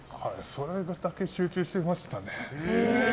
それだけ集中してましたね。